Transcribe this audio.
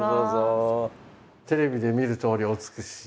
テレビで見るとおりお美しい。